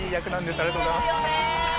ありがとうございます。